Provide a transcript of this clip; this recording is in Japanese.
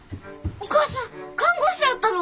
お母さん看護師だったの？